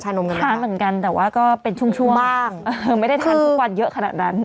หรือว่าก็เป็นชุ่งช่วงไม่ได้ทานทุกวันเยอะขนาดนั้น